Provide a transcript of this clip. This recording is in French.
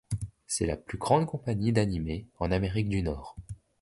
C'est la plus grande compagnie d'anime en Amérique du Nord.